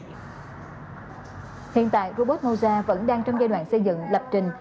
hiện tại robot noza vẫn đang trong giai đoạn xây dựng lập trình